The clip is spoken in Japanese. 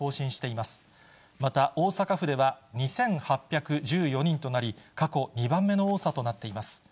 また大阪府では２８１４人となり、過去２番目の多さとなっています。